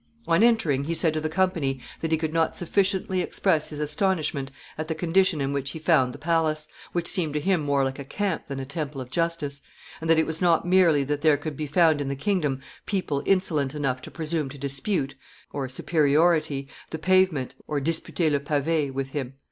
On entering, he said to the company, that he could not sufficiently express his astonishment at the condition in which he found the palace, which seemed to him more like a camp than a temple of justice, and that it was not merely that there could be found in the kingdom people insolent enough to presume to dispute (superiority) the pavement (disputer le pave) with him.